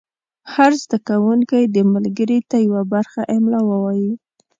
هر زده کوونکی دې ملګري ته یوه برخه املا ووایي.